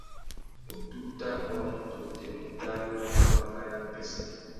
Wututa wa mutêtê mutānú râ pwámáká râ wipêssê.